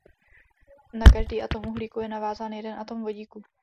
Na každý atom uhlíku je navázán jeden atom vodíku.